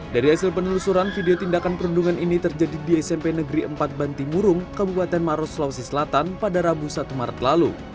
dari hasil penelusuran video tindakan perundungan ini terjadi di smp negeri empat bantimurung kabupaten maros sulawesi selatan pada rabu satu maret lalu